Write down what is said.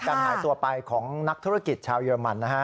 หายตัวไปของนักธุรกิจชาวเยอรมันนะฮะ